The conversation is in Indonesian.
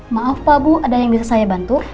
maaf pak bu ada yang bisa saya bantu